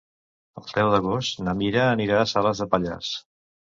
El deu d'agost na Mira anirà a Salàs de Pallars.